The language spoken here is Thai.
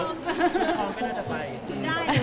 คุณได้เนอะ